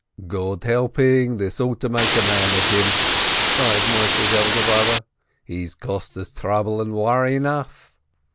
"God helping, this ought to make a man of him," sighed Moisheh's elder brother, "he's cost us trouble and worry enough."